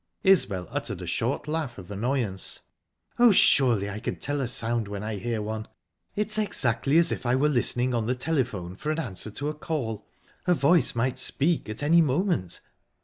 Isbel uttered a short laugh of annoyance. "Oh, surely I can tell a sound when I hear one? It's exactly as if I were listening on the telephone for an answer to a call. A voice might speak at any moment."